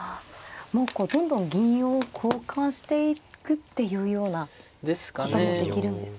もうこうどんどん銀を交換していくっていうようなこともできるんですね。